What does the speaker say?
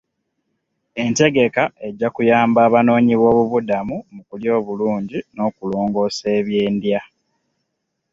Entegeka ejja kuyamba abanoonyi b'obubuddamu mu kulya obulungi n'okulongoosa eby'endya.